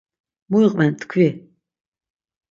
Mu iqven tkvi.